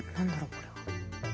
これは。